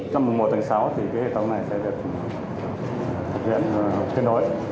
trong mùa tuần sau thì hệ thống này sẽ được thực hiện kết nối